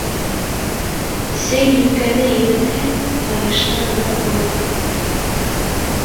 Сей йүкәне ебетһәң, ҡайыштан ныҡ була.